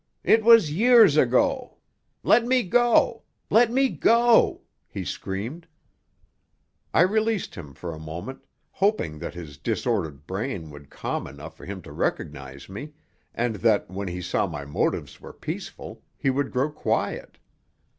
It was years ago! Let me go! Let me go!" he screamed. I released him for a moment, hoping that his disordered brain would calm enough for him to recognize me, and that, when he saw my motives were peaceful, he would grow quiet.